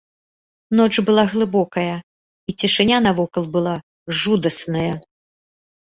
Ноч была глыбокая, і цішыня навокал была жудасная.